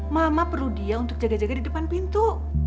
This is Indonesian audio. mama perlu dia untuk jaga jaga di depan pintu